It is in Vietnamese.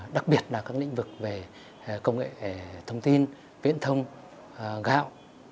đặc biệt là các lĩnh vực về công nghệ thông tin viễn thông gạo